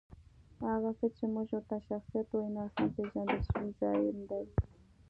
هغه څه چې موږ ورته شخصیت وایو، ناسم پېژندل شوی ځان دی.